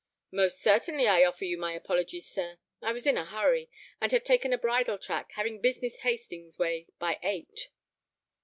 "Most certainly, I offer you my apologies, sir. I was in a hurry, and had taken a bridle track, having business Hastings way by eight."